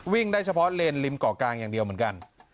ได้เฉพาะเลนริมเกาะกลางอย่างเดียวเหมือนกัน